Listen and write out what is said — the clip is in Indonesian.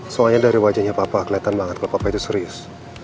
soalnya dari wajahnya papa kelihatan banget kalau papa itu serius